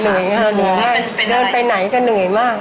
เหนื่อยมากเดินไปไหนก็เหนื่อยมาก